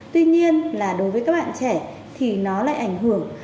tuy nhiên là đối với các bạn trẻ thì nó lại ảnh hưởng